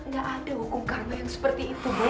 tidak ada hukum karma yang seperti itu